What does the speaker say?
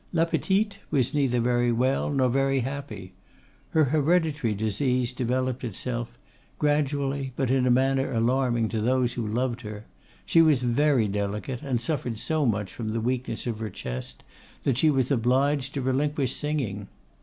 La Petite was neither very well nor very happy. Her hereditary disease developed itself; gradually, but in a manner alarming to those who loved her. She was very delicate, and suffered so much from the weakness of her chest, that she was obliged to relinquish singing.